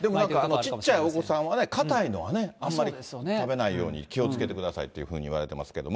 ちっちゃいお子さんはね、硬いのはね、あんまり食べないように気をつけてくださいというふうにいわれてますけれども。